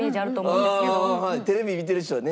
テレビ見てる人はね。